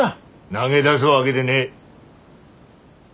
投げ出すわげでねえ。